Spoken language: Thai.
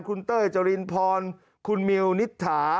คุณเต้ยจรินพรคุณมิวนิษฐา